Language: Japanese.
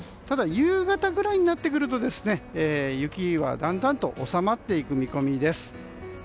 ただ、夕方ぐらいになってくると雪はだんだんと収まっていく見込みです。